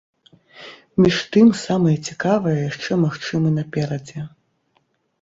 Між тым, самае цікавае яшчэ, магчыма, наперадзе.